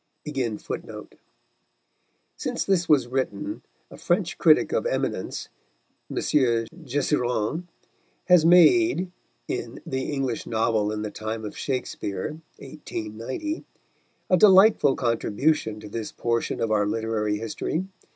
[Footnote 1: Since this was written, a French critic of eminence, M. Jusserand, has made (in The English Novel in the Time of Shakespeare, 1890) a delightful contribution to this portion of our literary history.